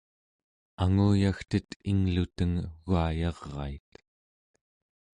anguyagtet ingluteng u͡gayarait